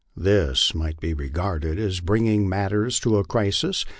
This might be regarded as bringing matters to a crisis.